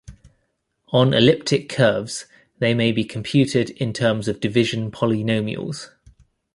On elliptic curves they may be computed in terms of division polynomials.